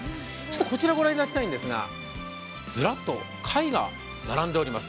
こちらをご覧いただきたいんですが、ずらっと絵画が並んでいます。